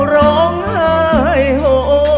ร้องไห้โฮโฮ